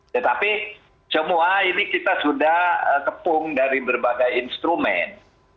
tetapi semua ini kita sudah kepung dari berbagai instrumen